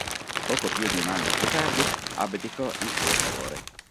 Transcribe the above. Poco più di un anno più tardi, abdicò in suo favore.